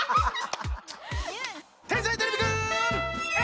天才てれびくん！